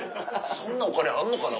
そんなお金あんのかな？